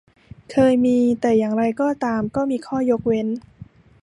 เคยมี แต่อย่างไรก็ตาม ก็มีข้อยกเว้น